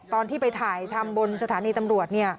ตอนที่ไปถ่ายทำบนสถานีตำรวจ